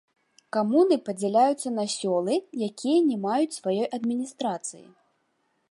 Камуны падзяляюцца на сёлы, якія не маюць сваёй адміністрацыі.